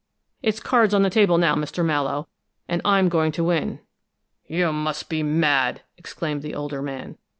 It's cards on the table now, Mr. Mallowe, and I'm going to win!" "You must be mad!" exclaimed the older man.